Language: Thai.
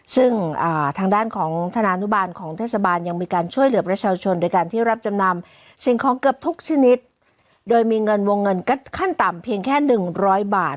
ซึ่งทางด้านของธนานุบาลของเทศบาลยังมีการช่วยเหลือประชาชนโดยการที่รับจำนำสิ่งของเกือบทุกชนิดโดยมีเงินวงเงินขั้นต่ำเพียงแค่หนึ่งร้อยบาท